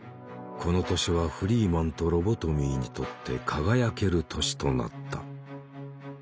この年はフリーマンとロボトミーにとって輝ける年となった。